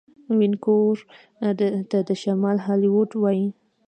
وینکوور ته د شمال هالیوډ وايي.